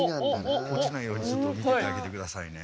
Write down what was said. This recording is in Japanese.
落ちないようにちょっと見ててあげてくださいね。